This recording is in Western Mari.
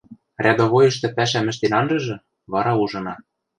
рядовойышты пӓшӓм ӹштен анжыжы, вара ужына.